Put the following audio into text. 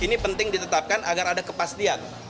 ini penting ditetapkan agar ada kepastian